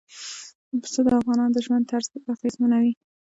پسه د افغانانو د ژوند طرز اغېزمنوي.